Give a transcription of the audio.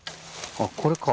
あっこれか？